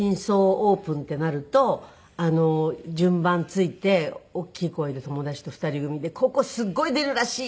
オープンってなると順番ついておっきい声で友達と２人組で「ここすごい出るらしいよ」とか。